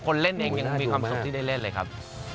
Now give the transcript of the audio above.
เล่นเองยังมีความสุขที่ได้เล่นเลยครับ